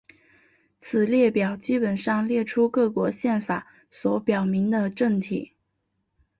此列表基本上列出各国宪法所表明的政体。